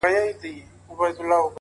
o لښکر که ډېر وي، بې مشره هېر وي.